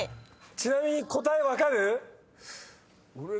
ちなみに答え分かる？